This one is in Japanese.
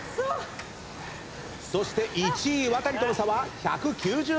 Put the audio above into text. そして１位ワタリとの差は１９０ｍ。